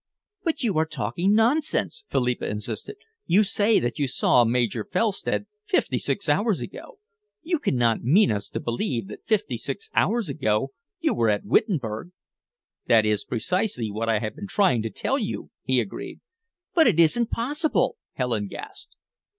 "But you are talking nonsense," Philippa insisted. "You say that you saw Major Felstead fifty six hours ago. You cannot mean us to believe that fifty six hours ago you were at Wittenberg." "That is precisely what I have been trying to tell you," he agreed. "But it isn't possible!" Helen gasped.